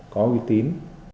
có uy tín